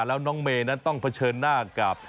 แล้วน้องเมย์นั้นต้องเผชิญหน้ากับ